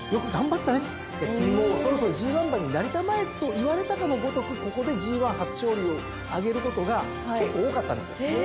「君もうそろそろＧⅠ馬になりたまえ」と言われたかのごとくここでＧⅠ初勝利を挙げることが結構多かったんですよ。